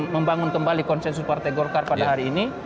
membangun kembali konsensus partai golkar pada hari ini